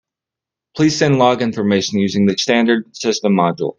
Please send log information using the standard system module.